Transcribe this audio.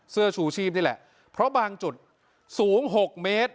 เสื้อชูชีพนี่แหละเพราะบางจุดสูง๖เมตร